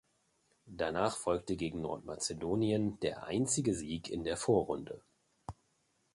Danach folgte gegen Nordmazedonien der einzige Sieg in der Vorrunde.